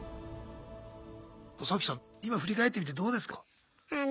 サキさんいま振り返ってみてどうですか？